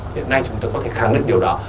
hiện nay chúng ta có thể kháng định điều đó